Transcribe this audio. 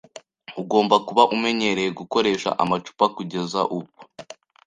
Ugomba kuba umenyereye gukoresha amacupa kugeza ubu.